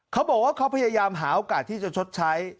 เขาบอกว่าเขาพยายามหาโอกาสที่จะชดใช้